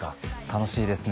楽しいですね